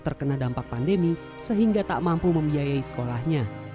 terkena dampak pandemi sehingga tak mampu membiayai sekolahnya